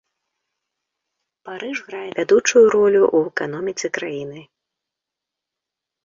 Парыж грае вядучую ролю ў эканоміцы краіны.